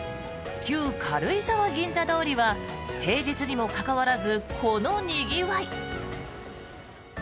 旧軽井沢銀座通りは平日にもかかわらずこのにぎわい。